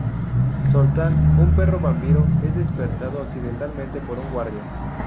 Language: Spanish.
Zoltan, un perro vampiro, es despertado accidentalmente por un guardia.